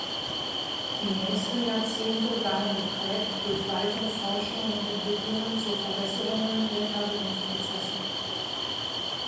Die nächsten Jahrzehnte waren geprägt durch weitere Forschungen und Entwicklungen zur Verbesserungen der Fertigungsprozesse.